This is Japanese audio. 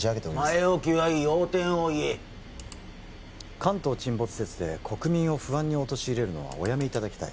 前置きはいい要点を言え関東沈没説で国民を不安に陥れるのはおやめいただきたい